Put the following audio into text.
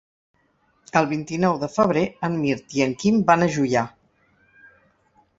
El vint-i-nou de febrer en Mirt i en Quim van a Juià.